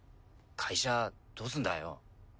会社どうすんだよ？